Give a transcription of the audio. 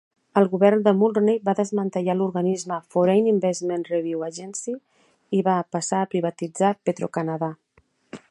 El govern de Mulroney va desmantellar l'organisme Foreign Investment Review Agency i va passar a privatitzar Petro-Canada.